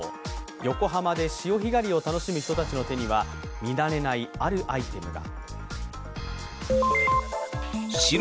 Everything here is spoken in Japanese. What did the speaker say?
横浜で潮干狩りを楽しむ人たちの手には見慣れない、あるアイテムが。